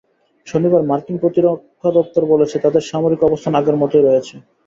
শনিবার মার্কিন প্রতিরক্ষা দপ্তর বলেছে, তাদের সামরিক অবস্থান আগের মতোই রয়েছে।